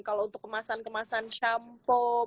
kalau untuk kemasan kemasan shamplop